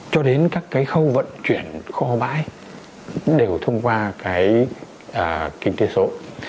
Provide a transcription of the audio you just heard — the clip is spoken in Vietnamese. cho đến các khâu vận chuyển kho bãi đều thông qua kinh tế số